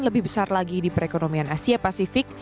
lebih besar lagi di perekonomian asia pasifik